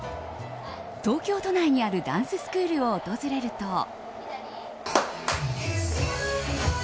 東京都内にあるダンススクールを訪れると。